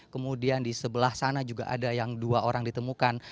kemudian di sebelah sana juga ada yang dua orang ditemukan